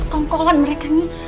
kongkolan mereka ini